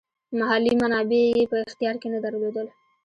مالي منابع یې په اختیار کې نه درلودل.